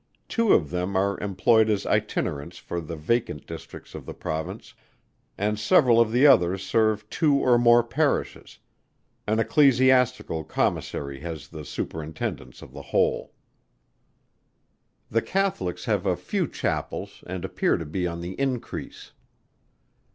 Two of them are employed as Itinerants for the vacant districts of the Province, and several of the others serve two or more Parishes An Ecclesiastical Commissary has the superintendence of the whole. The Catholics have a few Chapels and appear to be on the increase.